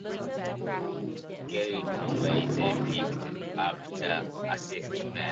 Gerry Conway then picked up the assignment.